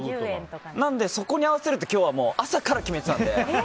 なので、そこに合わせるって今日は朝から決めていたので。